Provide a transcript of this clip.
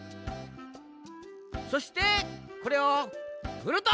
そしてこれをふると！